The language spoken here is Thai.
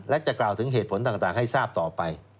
และจะกล่าวถึงเหตุผลต่างให้ทราบต่อไป